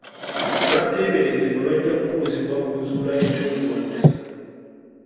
Abateeberezebwa bajja kubuuzibwa okuzuula eky'okulwanyisa.